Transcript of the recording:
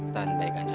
tahan baik anda